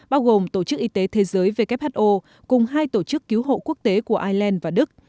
bao gồm tổ chức y tế thế giới who cùng hai tổ chức cứu hộ quốc tế của ireland và đức